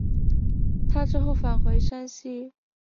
他之后返回山西。